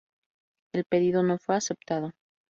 El pedido no fue aceptado.